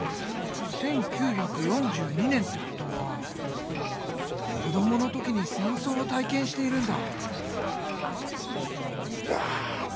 １９４２年ってことは子どもの時に戦争を体験しているんだ！